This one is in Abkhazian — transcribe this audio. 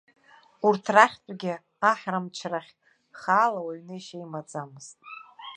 Урҭ рахьтәгьы аҳра мчрахь хаала уаҩ неишьа имаӡамызт.